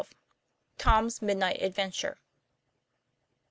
TOM^S MIDNIGHT ADVENTURE.